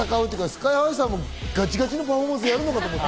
ＳＫＹ−ＨＩさんもガチガチのパフォーマンスをやると思ってた。